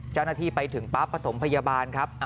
เจ้าหน้าที่ไปถึงปั๊บประถมพยาบาลครับ